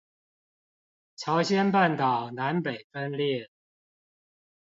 朝鮮半島南北分裂